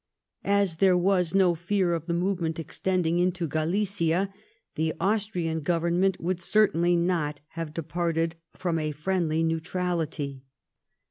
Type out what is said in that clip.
As there was no fear of the moye ment extending into Galicia, the Austrian Goyemment would certainly not haye departed from a friendly neutrality.